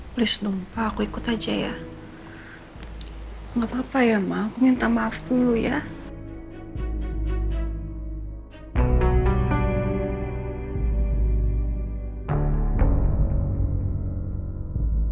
please dong pa aku ikut aja ya